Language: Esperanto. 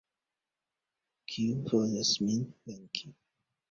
Kiu volas min venki?